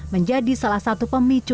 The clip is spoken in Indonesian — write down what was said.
menjadi salah satu pembantu